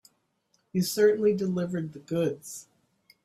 You certainly delivered the goods.